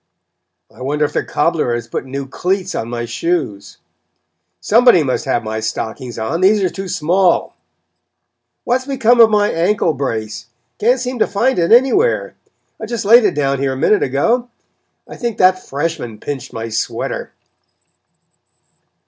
"I wonder if the cobbler has put new cleats on my shoes?" "Somebody must have my stockings on these are too small." "What has become of my ankle brace can't seem to find it anywhere? I just laid it down here a minute ago. I think that freshman pinched my sweater."